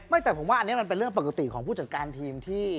แต่ผมว่าอันนี้มันเป็นเรื่องปกติของผู้จัดการทีมที่